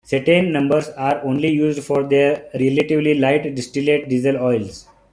Cetane numbers are only used for the relatively light distillate diesel oils.